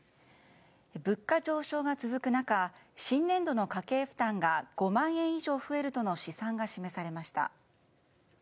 物価上昇が続く中新年度の家計負担が５万円以上増えるとの試算が示されました。